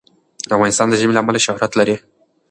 افغانستان د ژمی له امله شهرت لري.